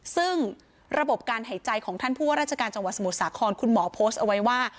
ซึ่งระบบการหายใจของท่านผู้ว่าราชการจังหวัดสมุทรสาครคุณหมอโพสต์เอาไว้ว่า